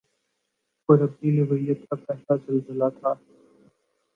اور اپنی نوعیت کا پہلا زلزلہ تھا